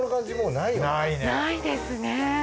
ないですね！